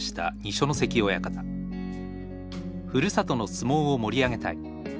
ふるさとの相撲を盛り上げたい。